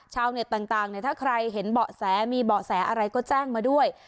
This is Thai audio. ชาวเน็ตต่างถ้าใครเห็นเบาะแสมีเบาะแสอะไรก็แจ้งมาด้วย